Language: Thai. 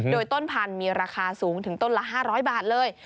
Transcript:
โดยต้นพันธุ์มีราคาสูงถึงต้นละ๕๐๐บาทเลย